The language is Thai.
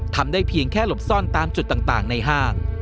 ทำได้เพียงแค่หลบซ่อนตามจุดต่างในห้าง